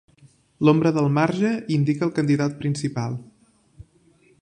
L"ombra del marge indica el candidat principal.